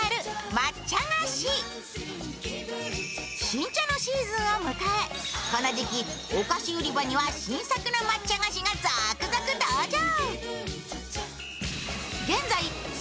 新茶のシーズンを迎え、この時期お菓子売り場には新作の抹茶菓子が続々登場。